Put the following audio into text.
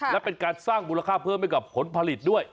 และเป็นการสร้างมูลค่าเพิ่มให้กับผลผลิตด้วย